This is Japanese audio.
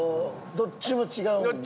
どっちも違うんだよね。